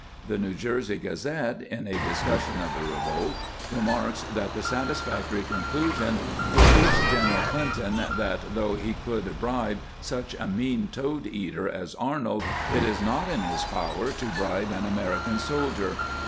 * The New Jersey Gazette, in a discussion of the revolt, remarks that the satisfactory con clusion " will teach General Clinton that, though he could bribe such a mean toad eater as Arnold, it is not in his power to bribe an American sol dier."